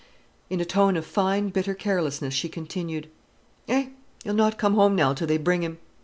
In a tone of fine bitter carelessness she continued: "Eh, he'll not come now till they bring him.